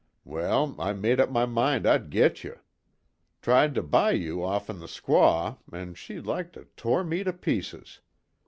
Well, I made up my mind I'd git you. Tried to buy you offen the squaw an' she like to tore me to pieces.